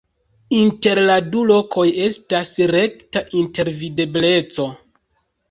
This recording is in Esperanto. Inter la du lokoj estas rekta intervidebleco.